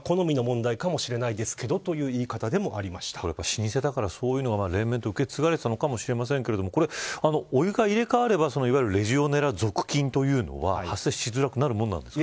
老舗だからそういうのが連綿と受け継がれていたのかもしれませんがお湯が入れ替わればレジオネラ属菌というのは発生づらくなるものなんですか。